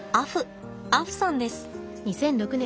アフさんです。